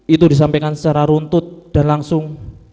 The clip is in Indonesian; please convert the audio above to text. itu disampaikan secara runtut dan langsung